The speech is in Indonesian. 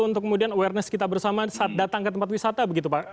untuk kemudian awareness kita bersama saat datang ke tempat wisata begitu pak